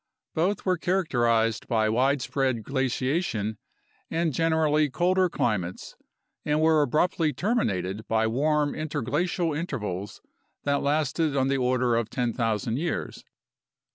Both were characterized by widespread glaciation and generally colder climates and were abruptly terminated by warm interglacial intervals that lasted on the order of 10,000 years.